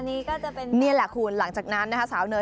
นี่แหละคุณหลังจากนั้นนะครับสาวเนย